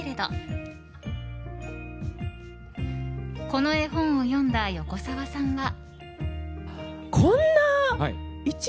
この絵本を読んだ横澤さんは。